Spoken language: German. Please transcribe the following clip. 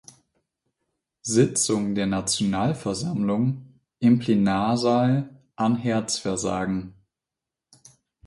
Sitzung der Nationalversammlung im Plenarsaal an Herzversagen.